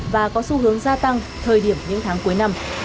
và có xu hướng gia tăng thời điểm những tháng cuối năm